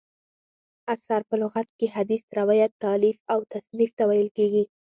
اثر: په لغت کښي حدیث، روایت، تالیف او تصنیف ته ویل کیږي.